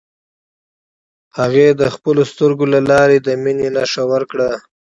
هغې د خپلو سترګو له لارې د مینې نښه ورکړه.